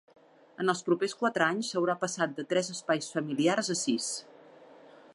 En els propers quatre anys, s'haurà passat de tres espais familiars a sis.